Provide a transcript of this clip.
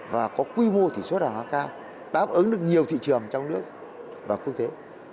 và có quy mô thủy số đảo hóa cao đáp ứng được nhiều thị trường trong nước và quốc tế